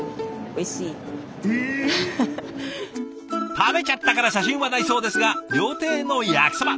食べちゃったから写真はないそうですが料亭の焼きそば。